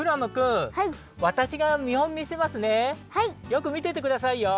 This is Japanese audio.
よくみててくださいよ。